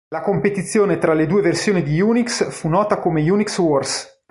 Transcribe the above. La competizione tra le due versioni di Unix fu nota come Unix wars.